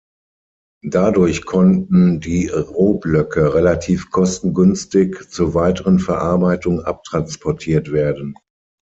Dadurch konnten die Rohblöcke relativ kostengünstig zur weiteren Verarbeitung abtransportiert werden.